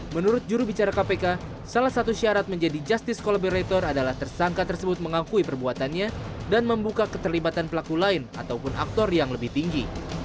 menurut jurubicara kpk salah satu syarat menjadi justice collaborator adalah tersangka tersebut mengakui perbuatannya dan membuka keterlibatan pelaku lain ataupun aktor yang lebih tinggi